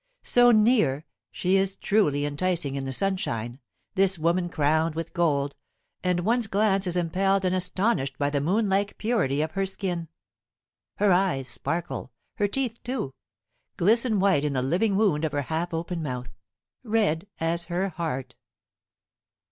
So near, she is truly enticing in the sunshine, this woman crowned with gold, and one's glance is impelled and astonished by the moon like purity of her skin. Her eyes sparkle; her teeth, too, glisten white in the living wound of her half open mouth, red as her heart.